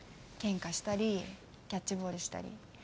ケンカしたりキャッチボールしたり。